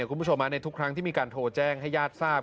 คุณผู้ชมในทุกครั้งที่มีการโทรแจ้งให้ญาติทราบ